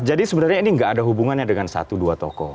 jadi sebenarnya ini nggak ada hubungannya dengan satu dua toko